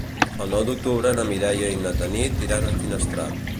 El nou d'octubre na Mireia i na Tanit iran a Finestrat.